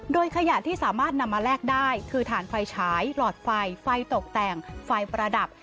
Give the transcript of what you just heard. โดยขยะที่สามารถนำมาแลกได้คือฐานไฟฉายหลอดไฟไฟตกแต่งไฟประดับ